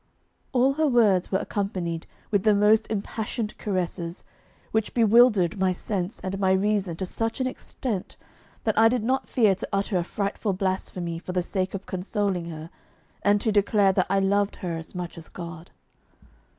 All her words were accompanied with the most impassioned caresses, which bewildered my sense and my reason to such an extent, that I did not fear to utter a frightful blasphemy for the sake of consoling her, and to declare that I loved her as much as God.